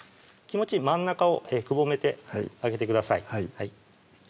気持ち真ん中をくぼめてあげてください